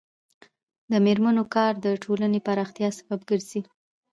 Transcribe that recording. د میرمنو کار د ټولنې پراختیا سبب ګرځي.